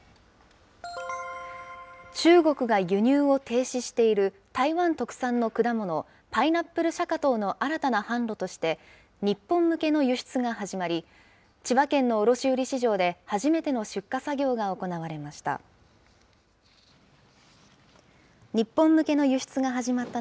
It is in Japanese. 中国が輸入を停止している台湾特産の果物、パイナップルシャカトウの新たな販路として、日本向けの輸出が始まり、千葉県の卸売市場で、初めての出荷作業が行われました。